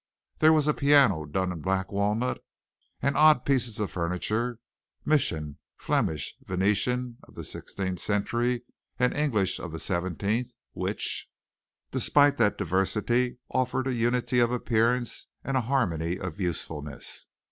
There was a piano done in black walnut, and odd pieces of furniture, Mission, Flemish, Venetian of the sixteenth century and English of the seventeenth, which, despite that diversity offered a unity of appearance and a harmony of usefulness.